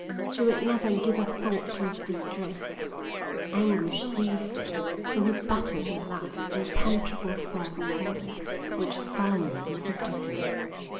She would never give a thought to his distress. Anguish seized him and he battered at that impenetrable self of hers which sullenly resisted him.